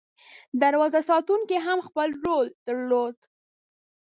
دروازه ساتونکي هم خپل رول درلود.